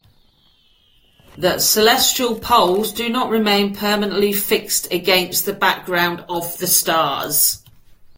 The celestial poles do not remain permanently fixed against the background of the stars.